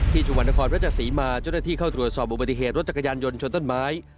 ที่ชุมรภัณฑ์นครพระจักษีมาจนที่เข้าตรวจสอบอุบัติเหตุรถจักรยานยนต์ชนต้นไม้